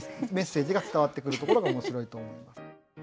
メッセージが伝わってくるところが面白いと思います。